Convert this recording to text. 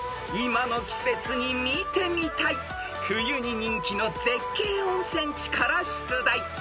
［今の季節に見てみたい冬に人気の絶景温泉地から出題］